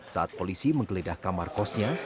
saat polisi menggeledah kamar kosnya